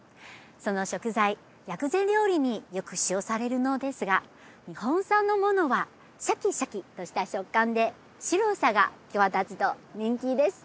その食材薬膳料理によく使用されるのですが日本産のものはシャキシャキとした食感で白さが際立つと人気です